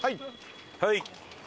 はい！